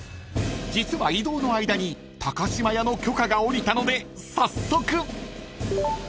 ［実は移動の間に高島屋の許可が下りたので早速］